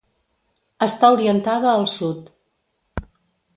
Està orientada al sud.